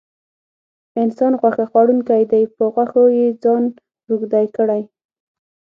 انسان غوښه خوړونکی دی په غوښو یې ځان روږدی کړی.